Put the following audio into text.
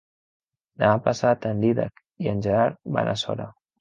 Demà passat en Dídac i en Gerard van a Sora.